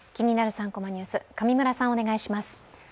３コマニュース」、上村さん、お願いします。